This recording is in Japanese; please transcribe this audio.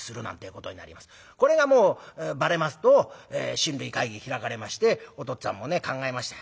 これがもうバレますと親類会議開かれましてお父っつぁんもね考えました。